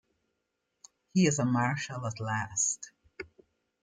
He is a marshal at last.